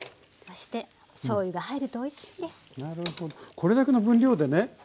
これだけの分量でね